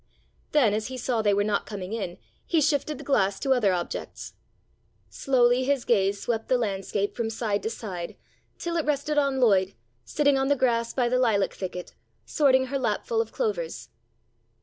Then as he saw they were not coming in, he shifted the glass to other objects. Slowly his gaze swept the landscape from side to side, till it rested on Lloyd, sitting on the grass by the lilac thicket, sorting her lapful of clovers.